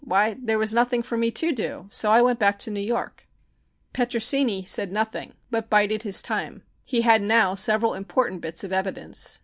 "Why, there was nothing for me to do, so I went back to New York." Petrosini said nothing, but bided his time. He had now several important bits of evidence.